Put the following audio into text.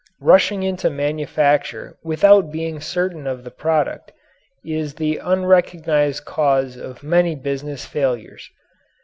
Rushing into manufacturing without being certain of the product is the unrecognized cause of many business failures.